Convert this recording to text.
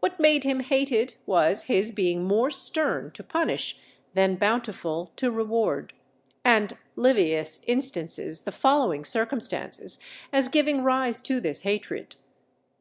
What made him hated was his being more stern to punish than bountiful to reward; and Livius instances the following circumstances as giving rise to this hatred.